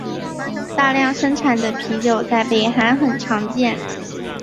大量生产的啤酒在北韩很常见。